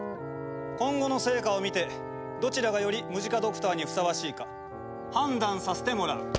今後の成果を見てどちらがよりムジカドクターにふさわしいか判断させてもらう。